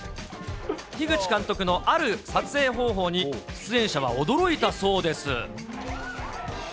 樋口監督のある撮影方法に、出演者は驚いたそうです。